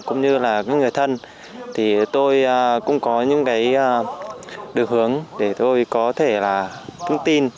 cũng như là những người thân thì tôi cũng có những cái đường hướng để tôi có thể là thông tin